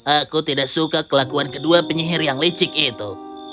aku tidak suka kelakuan kedua penyihir yang licik itu